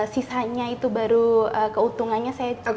sisanya itu baru keutungannya saya